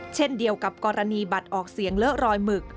เช่นเดียวกับกรณีบัตรออกเสียงเลอะรอยหมึก